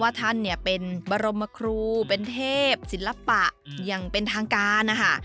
ท่านเนี่ยเป็นบรมครูเป็นเทพศิลปะอย่างเป็นทางการนะคะ